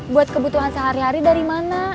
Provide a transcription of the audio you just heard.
buat kebutuhan sehari hari dari mana